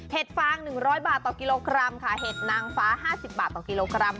ฟาง๑๐๐บาทต่อกิโลกรัมค่ะเห็ดนางฟ้า๕๐บาทต่อกิโลกรัม